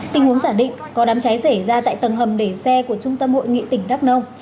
tình huống giả định có đám cháy xảy ra tại tầng hầm để xe của trung tâm hội nghị tỉnh đắk nông